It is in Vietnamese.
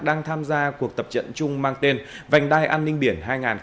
đang tham gia cuộc tập trận chung mang tên vành đai an ninh biển hai nghìn hai mươi bốn